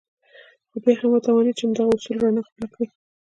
خو بيا هم وتوانېد چې د همدغو اصولو رڼا خپله کړي.